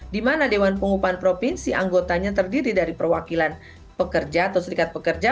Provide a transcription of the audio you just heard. di mana dewan pengupahan provinsi anggotanya terdiri dari perwakilan pekerja atau serikat pekerja